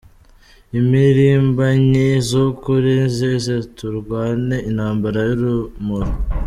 Impirimbanyi zukuri zize turwane intambara y’urumuri